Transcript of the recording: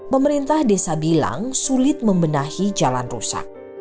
pemerintah desa bilang sulit membenahi jalan rusak